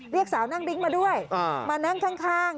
เรียกสาวนั่งดริ้งมาด้วยมานั่งข้าง